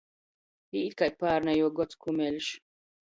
Īt kai pārnejuo gods kumeļš!